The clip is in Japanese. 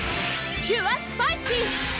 キュアスパイシー！